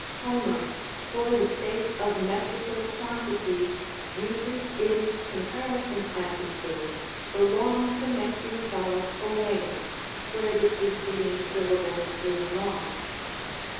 Homer, for the sake of metrical quantity, uses in comparison adjectives the long connecting vowel «, where the preceding syllable is long (§27, 9.) Mo. ^eiv cO'THQog.